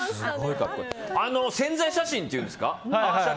あの宣材写真っていうんですか。